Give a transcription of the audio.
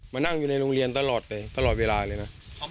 มานั่งอยู่ในโรงเรียนตลอดเลยตลอดเวลาเลยนะ